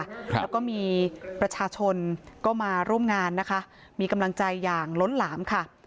แล้วก็มีประชาชนก็มาร่วมงานนะคะมีกำลังใจอย่างล้นหลามค่ะ